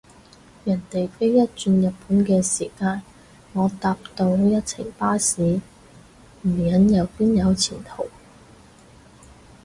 人哋飛一轉日本嘅時間，我搭到一程巴士，唔忍又邊有前途？